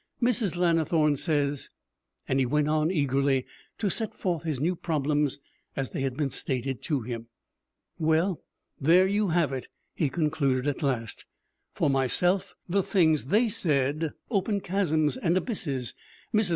Mrs. Lannithorne says And he went on eagerly to set forth his new problems as they had been stated to him. 'Well, there you have it,' he concluded at last. 'For myself, the things they said opened chasms and abysses. Mrs.